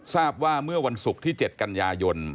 ทราบว่าเมื่อวันศุกร์ที่๗กันยายน